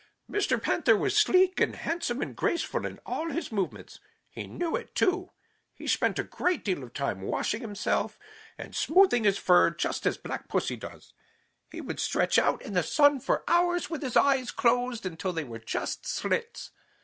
Mr. Panther was sleek and handsome and graceful in all his movements. He knew it, too. He spent a great deal of time washing himself and smoothing his fur, just as Black Pussy does. He would stretch out in the sun for hours with his eyes closed until they were just slits.